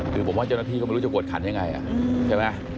คือผมว่าเจ้าหน้าที่ก็ไม่รู้จะกวดขันยังไงใช่ไหม